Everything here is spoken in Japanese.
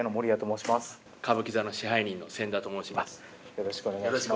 よろしくお願いします